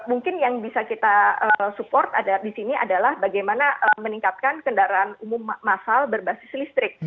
jadi mungkin yang bisa kita support di sini adalah bagaimana meningkatkan kendaraan umum masal berbasis listrik